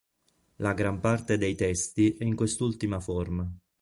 La gran parte dei testi è in quest'ultima forma.